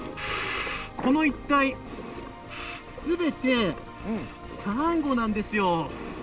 この一帯、すべてサンゴなんですよ。